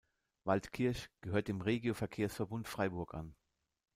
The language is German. Waldkirch gehört dem Regio-Verkehrsverbund Freiburg an.